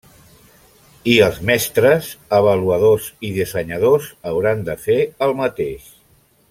I els mestres, avaluadors i dissenyadors hauran de fer el mateix.